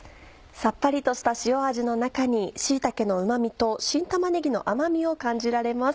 さっぱりとした塩味の中に椎茸のうま味と新玉ねぎの甘みを感じられます。